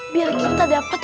biar kita dapat